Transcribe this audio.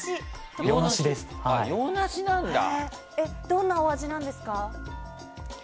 どんなお味なんですか？